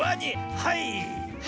はい！